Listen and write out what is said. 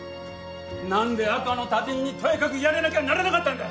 なんで赤の他人にとやかく言われなきゃならなかったんだ！